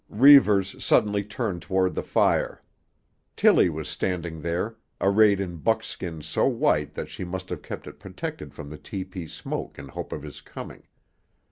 Reivers suddenly turned toward the fire. Tillie was standing there, arrayed in buckskin so white that she must have kept it protected from the tepee smoke in hope of his coming.